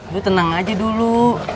lu tenang aja dulu